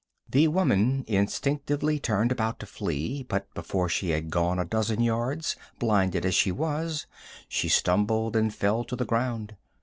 The woman instinctively turned about to flee, but before she had gone a dozen yards blinded as she was she stumbled and fell to the ground.